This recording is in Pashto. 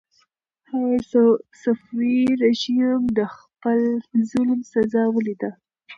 صفوي رژیم د خپل ظلم سزا ولیده.